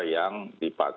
yang dipakai dalam rentang